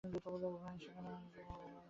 উভয়ে সেইখানে তৃণের উপর বসিয়া পড়িলেন।